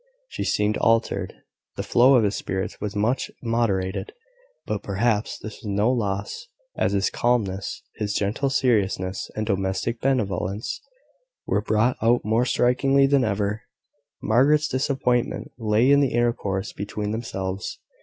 He seemed altered: the flow of his spirits was much moderated; but perhaps this was no loss, as his calmness, his gentle seriousness, and domestic benevolence were brought out more strikingly than ever. Margaret's disappointment lay in the intercourse between themselves.